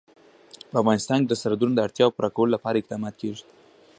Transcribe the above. په افغانستان کې د سرحدونه د اړتیاوو پوره کولو لپاره اقدامات کېږي.